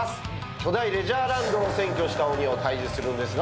巨大レジャーランドを占拠した鬼を退治するんですが。